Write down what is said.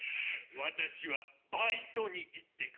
私はバイトに行ってくる。